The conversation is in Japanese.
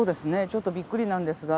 ちょっとびっくりなんですが。